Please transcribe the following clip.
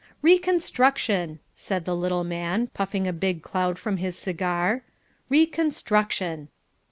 "Reconstruction," said the little man, puffing a big cloud from his cigar, "reconstruction."